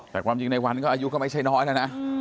แต่ความจริงรายวันนี้อายุไม่ใช่น้อยนะ